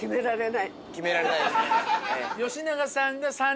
決められないですね。